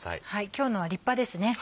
今日のは立派ですね。